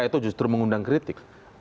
itu justru mengundang kritik